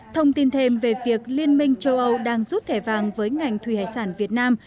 thông tin thêm về việc liên minh châu âu đang rút thẻ vàng với ngành thủy hải sản việt nam